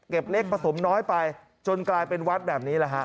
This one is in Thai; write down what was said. เล็กผสมน้อยไปจนกลายเป็นวัดแบบนี้แหละฮะ